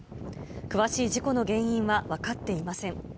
詳しい事故の原因は分かっていません。